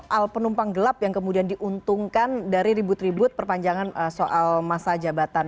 soal penumpang gelap yang kemudian diuntungkan dari ribut ribut perpanjangan soal masa jabatan